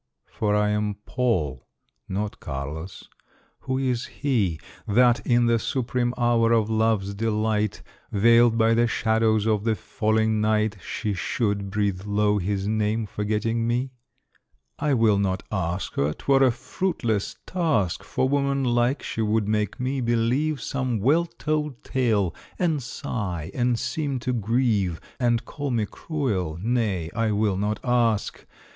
For I am Paul not Carlos! Who is he That, in the supreme hour of love's delight, Veiled by the shadows of the falling night, She should breathe low his name, forgetting me? I will not ask her! 'twere a fruitless task, For, woman like, she would make me believe Some well told tale; and sigh, and seem to grieve, And call me cruel. Nay, I will not ask.